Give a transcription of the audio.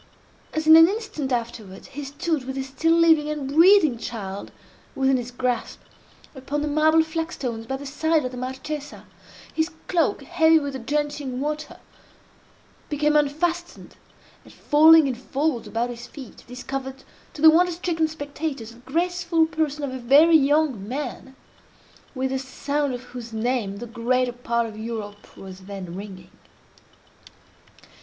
As, in an instant afterwards, he stood with the still living and breathing child within his grasp, upon the marble flagstones by the side of the Marchesa, his cloak, heavy with the drenching water, became unfastened, and, falling in folds about his feet, discovered to the wonder stricken spectators the graceful person of a very young man, with the sound of whose name the greater part of Europe was then ringing.